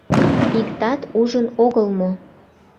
Иктат ужын огыл мо?